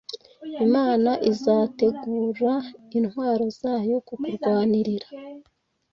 Imana izategura intwaro zayo kukurwanirira